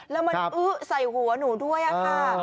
แล้วมันอื้อใส่หัวหนูด้วยค่ะ